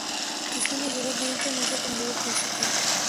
کسی میں جرات نہیں کہ مجھے کمزور کر سکے